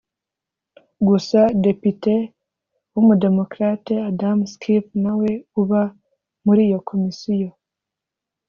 Gusa Depite w’umu- démocrate Adam Schiff nawe uba muri iyo komisiyo